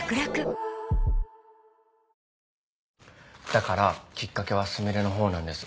だからきっかけは純恋の方なんです。